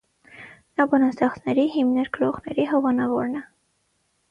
Նա բանաստեղծների՝ հիմներ գրողների հովանավորն է։